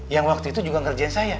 yang waktu itu juga ngerjain saya